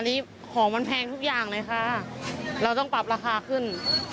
อันนี้ของมันแพงทุกอย่างเลยค่ะเราต้องปรับราคาขึ้น